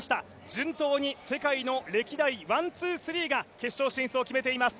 順当に世界の歴代ワン・ツー・スリーが決勝進出を決めています。